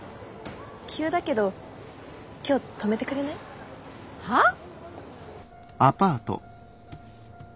急だけど今日泊めてくれない？はっ？